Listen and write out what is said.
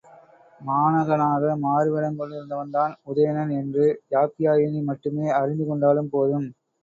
மாணகனாக மாறுவேடங் கொண்டிருந்தவன்தான் உதயணன் என்று யாப்பியாயினி மட்டுமே அறிந்து கொண்டாலும் போதும்.